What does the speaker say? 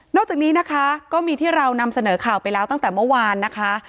จากนี้นะคะก็มีที่เรานำเสนอข่าวไปแล้วตั้งแต่เมื่อวานนะคะ